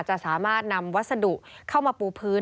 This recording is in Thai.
จะสามารถนำวัสดุเข้ามาปูพื้น